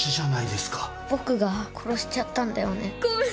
僕が殺しちゃったんだよね。